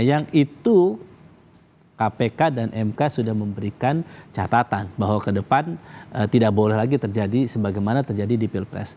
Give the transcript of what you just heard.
yang itu kpk dan mk sudah memberikan catatan bahwa ke depan tidak boleh lagi terjadi sebagaimana terjadi di pilpres